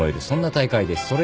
そんな大会です。